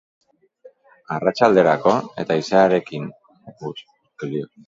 Arratsalderako, eta haizearen aldaketarekin batera, euria izango dugu hizpide.